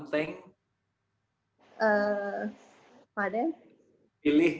hmm apa deh